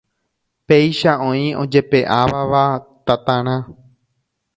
Péicha oĩ ojepe'aváva tatarã